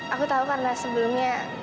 aku tahu karena sebelumnya